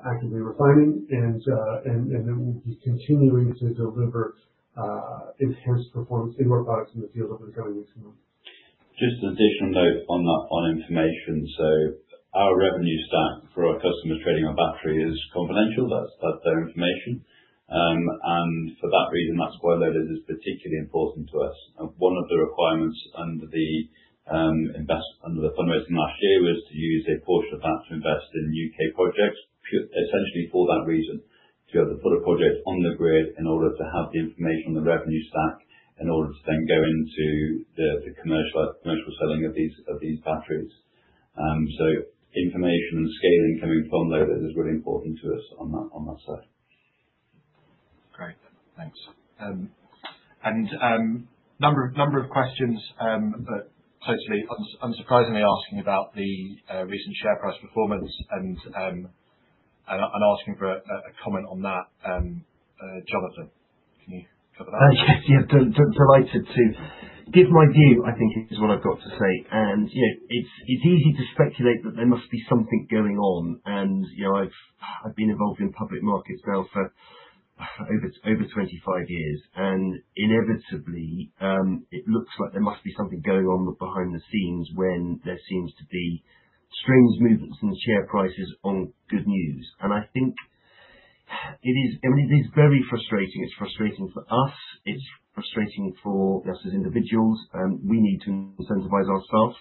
actively refining and that we'll be continuing to deliver enhanced performance in more products in the field over the coming weeks and months. Just an additional note on that, on information. Our revenue stack for our customers trading on battery is confidential. That's their information. For that reason, that's why LODES is particularly important to us. One of the requirements under the fundraising last year was to use a portion of that to invest in U.K. projects, essentially for that reason, to be able to put a project on the grid in order to have the information on the revenue stack in order to then go into the commercial selling of these batteries. Information and scaling coming from LODES is really important to us on that side. Thanks. A number of questions, but totally unsurprisingly asking about the recent share price performance and asking for a comment on that. Jonathan, can you cover that? Yeah. Delighted to give my view, I think is what I've got to say. It's easy to speculate that there must be something going on. I've been involved in public markets now for over 25 years, and inevitably it looks like there must be something going on behind the scenes when there seems to be strange movements in share prices on good news. I think it is very frustrating. It's frustrating for us, it's frustrating for us as individuals. We need to incentivize our staff.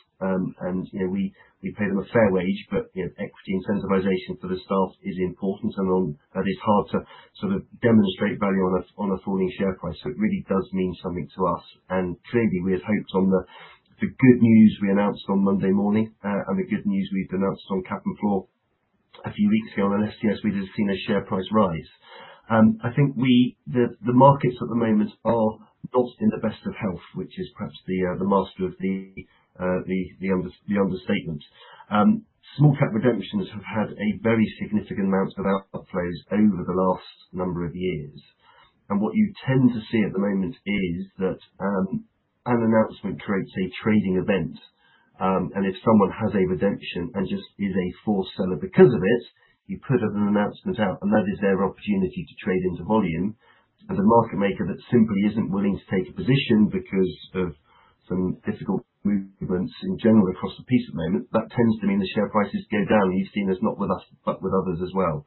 We pay them a fair wage, but equity incentivization for the staff is important, and that is hard to sort of demonstrate value on a falling share price. It really does mean something to us. Clearly, we had hoped on the good news we announced on Monday morning, and the good news we'd announced on Cap and Floor a few weeks ago on STS, we'd have seen a share price rise. I think the markets at the moment are not in the best of health, which is perhaps the master of the understatement. Small-cap redemptions have had a very significant amount of outflows over the last number of years. What you tend to see at the moment is that an announcement creates a trading event. If someone has a redemption and just is a forced seller because of it, you put an announcement out and that is their opportunity to trade into volume. The market maker that simply isn't willing to take a position because of some difficult movements in general across the piece at the moment, that tends to mean the share prices go down. You've seen this not with us, but with others as well.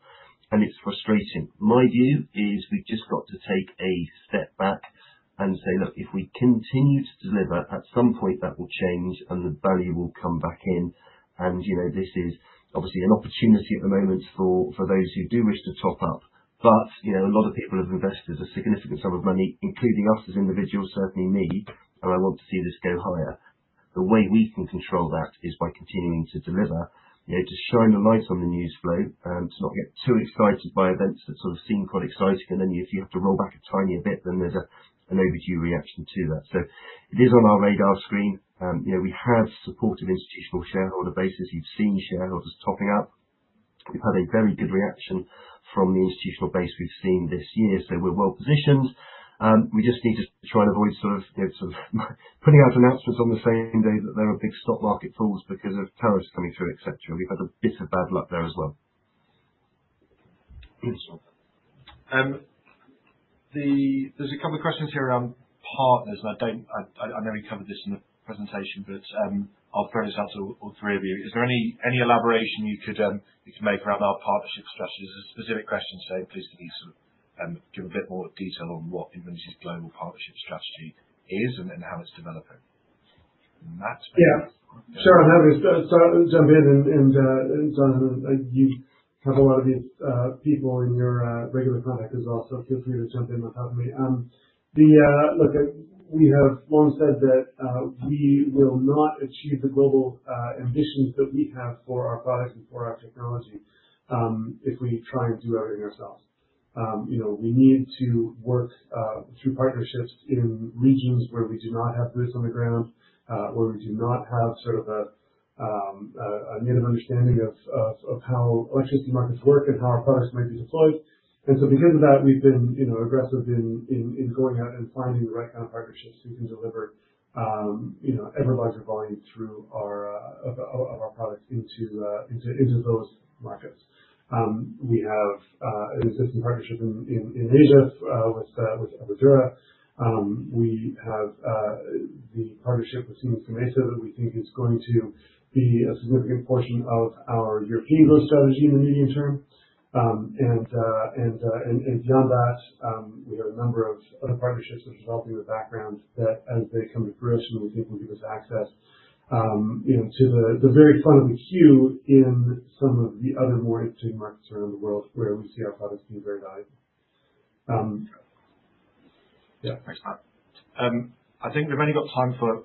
It's frustrating. My view is we've just got to take a step back and say, look, if we continue to deliver, at some point that will change and the value will come back in. This is obviously an opportunity at the moment for those who do wish to top up. But a lot of people have invested a significant sum of money, including us as individuals, certainly me, and I want to see this go higher. The way we can control that is by continuing to deliver, to shine a light on the news flow, to not get too excited by events that sort of seem quite exciting, and then if you have to roll back a tiny bit, then there's an overdue reaction to that. It is on our radar screen. We have supported institutional shareholder bases. You've seen shareholders topping up. We've had a very good reaction from the institutional base we've seen this year. We're well-positioned. We just need to try and avoid sort of putting out announcements on the same day that there are big stock market falls because of tariffs coming through, et cetera. We've had a bit of bad luck there as well. Good stuff. There's a couple of questions here around partners. I know we covered this in the presentation, but I'll throw this out to all three of you. Is there any elaboration you could make around our partnership strategy? There's a specific question saying please can you sort of give a bit more detail on what Invinity's global partnership strategy is and how it's developing. Matt? Sure. I'm happy to jump in. Jonathan, you have a lot of these people in your regular contact as well, so feel free to jump in with that with me. Look, we have long said that we will not achieve the global ambitions that we have for our products and for our technology if we try and do everything ourselves. We need to work through partnerships in regions where we do not have boots on the ground, where we do not have sort of an in-depth understanding of how electricity markets work and how our products might be deployed. Because of that, we've been aggressive in going out and finding the right kind of partnerships who can deliver ever larger volume of our products into those markets. We have an existing partnership in Asia with Everdura. We have the partnership with Siemens Gamesa that we think is going to be a significant portion of our European growth strategy in the medium term. Beyond that, we have a number of other partnerships which are developing in the background that as they come to fruition, we think will give us access to the very front of the queue in some of the other more interesting markets around the world where we see our products being very valuable. Yeah. Thanks, Matt. I think we've only got time for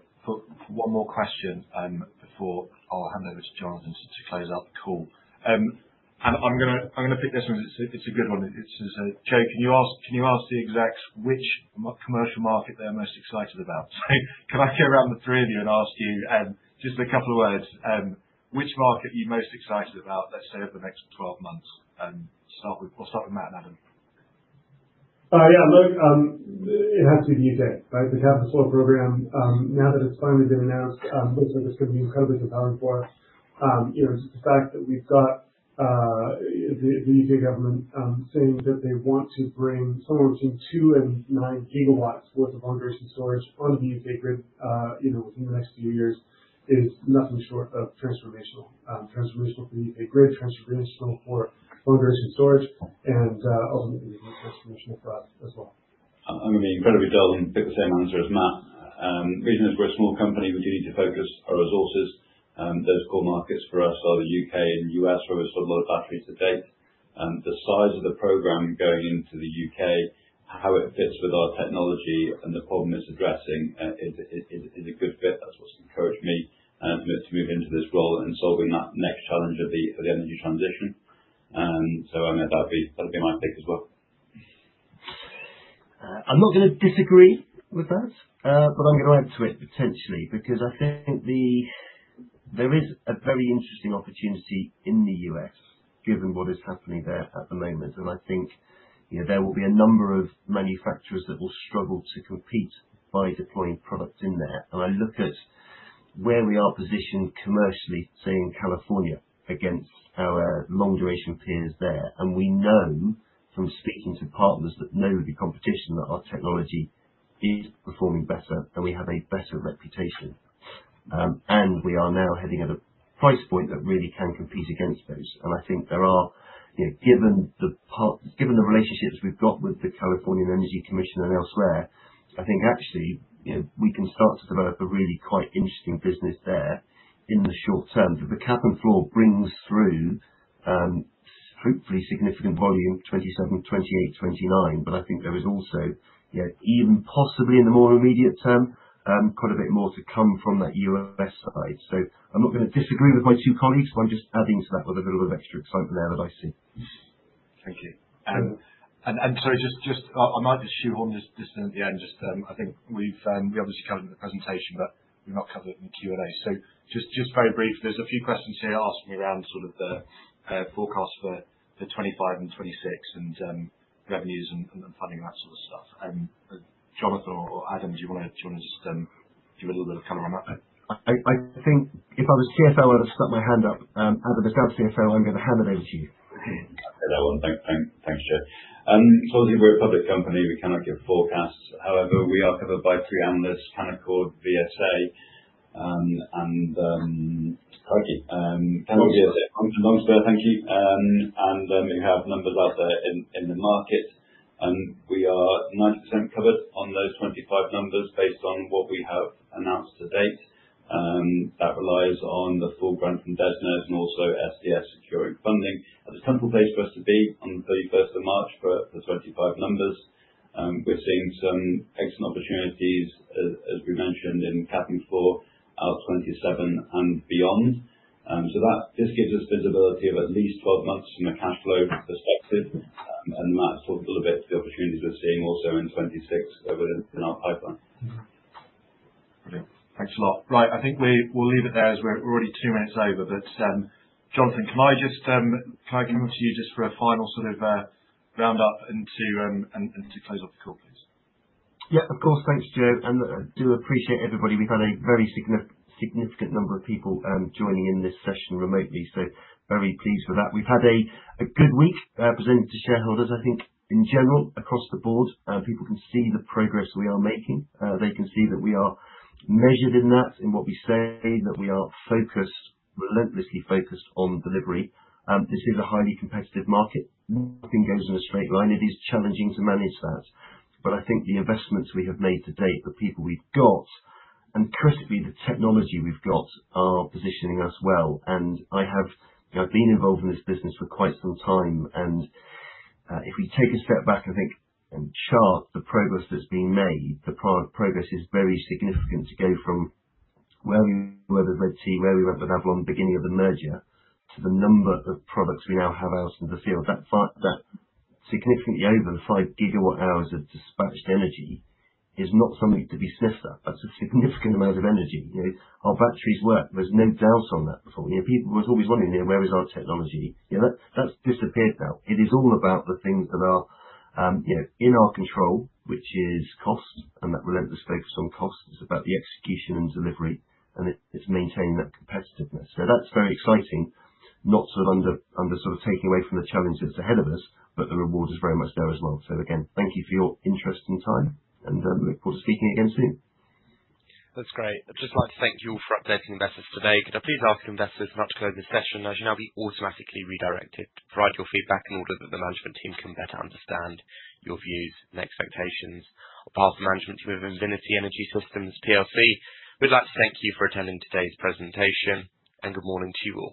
one more question before I'll hand over to Jonathan to close out the call. I'm going to pick this one because it's a good one. It says, "Joe, can you ask the execs which commercial market they're most excited about?" Can I go around the three of you and ask you, just in a couple of words, which market are you most excited about, let's say over the next 12 months? We'll start with Matt and Adam. Yeah. Look, it has to be the U.K., right? We have the solar program. Now that it's finally been announced, this is just going to be incredibly compelling for us. The fact that we've got the U.K. government saying that they want to bring somewhere between two and nine gigawatts worth of long-duration storage on the U.K. grid within the next few years is nothing short of transformational. Transformational for the U.K. grid, transformational for long-duration storage, and ultimately transformational for us as well. I'm going to be incredibly dull and pick the same answer as Matt. The reason is we're a small company, we do need to focus our resources. Those core markets for us are the U.K. and U.S., where we've sold a lot of batteries to date. The size of the program going into the U.K., how it fits with our technology and the problem it's addressing is a good fit. That's encouraged me to move into this role and solving that next challenge of the energy transition. I mean, that would be my pick as well. I'm not gonna disagree with that, but I'm gonna add to it potentially because I think there is a very interesting opportunity in the U.S. given what is happening there at the moment. I think, you know, there will be a number of manufacturers that will struggle to compete by deploying products in there. I look at where we are positioned commercially, say, in California, against our long-duration peers there. We know from speaking to partners that know the competition, that our technology is performing better and we have a better reputation. We are now heading at a price point that really can compete against those. I think there are, you know, given the relationships we've got with the California Energy Commission and elsewhere, I think actually, you know, we can start to develop a really quite interesting business there in the short term. The Cap and Floor brings through, hopefully significant volume 2027, 2028, 2029. I think there is also, you know, even possibly in the more immediate term, quite a bit more to come from that U.S. side. I'm not gonna disagree with my two colleagues, but I'm just adding to that with a little bit of extra excitement there that I see. Thank you. Sorry, I might just shoehorn this in at the end. I think we've obviously covered in the presentation, but we've not covered it in the Q&A. Just very brief. There are a few questions here asked me around the forecast for 2025 and 2026 and revenues and funding, that sort of stuff. Jonathan or Adam, do you want to just do a little bit of color on that? I think if I was CFO, I would've stuck my hand up. Adam is our CFO, I'm going to hand it over to you. Okay. No, thanks, Joe. As we're a public company, we cannot give forecasts. However, we are covered by three analysts, Canaccord, VSA, and Target. Target is it. Longspur. Longspur. Thank you. We have numbers out there in the market, and we are 90% covered on those 25 numbers based on what we have announced to date. That relies on the full grant from DESNZ and also SCS securing funding at a central place for us to be on the 31st of March for 25 numbers. We're seeing some excellent opportunities as we mentioned in Cap and Floor out 2027 and beyond. That just gives us visibility of at least 12 months from a cash flow perspective. That talks a little bit to the opportunities we're seeing also in 2026 over in our pipeline. Okay. Thanks a lot. Right. I think we will leave it there as we're already 2 minutes over. Jonathan, can I just, can I come to you just for a final sort of round-up and to and to close off the call, please? Yeah, of course. Thanks, Joe, and I do appreciate everybody. We've had a very significant number of people joining in this session remotely, very pleased with that. We've had a good week presenting to shareholders. I think in general, across the board, people can see the progress we are making. They can see that we are measured in what we say, that we are focused, relentlessly focused on delivery. This is a highly competitive market. Nothing goes in a straight line. It is challenging to manage that. I think the investments we have made to date, the people we've got, and critically the technology we've got are positioning us well. I have, you know, been involved in this business for quite some time. If we take a step back and think and chart the progress that's been made, the progress is very significant to go from where we were with redT, where we were with Avalon beginning of the merger, to the number of products we now have out in the field. That fact that significantly over 5 gigawatt hours of dispatched energy is not something to be sniffed at. That's a significant amount of energy, you know? Our batteries work. There's no doubt on that before. You know, people was always wondering, you know, where is our technology? You know, that's disappeared now. It is all about the things that are, you know, in our control, which is costs, and that relentless focus on costs. It's about the execution and delivery, and it's maintaining that competitiveness. That's very exciting. Not taking away from the challenges ahead of us, but the reward is very much there as well. Again, thank you for your interest and time and look forward to speaking again soon. That's great. I'd just like to thank you all for updating investors today. Could I please ask investors now to close this session, as you'll now be automatically redirected to provide your feedback in order that the management team can better understand your views and expectations. On behalf of the management team of Invinity Energy Systems plc, we'd like to thank you for attending today's presentation and good morning to you all.